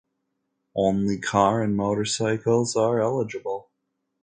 Only car and motorcycles are eligible.